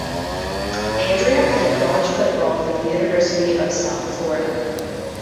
Andrea played college football for the University of South Florida.